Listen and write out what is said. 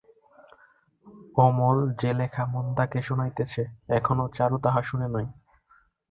অমল যে লেখা মন্দাকে শুনাইতেছে এখনো চারু তাহা শোনে নাই।